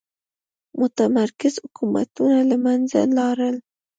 متمرکز حکومتونه له منځه لاړل.